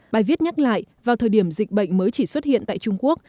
bài viết nhắc lại vào thời điểm dịch bệnh mới chỉ xuất hiện tại trung quốc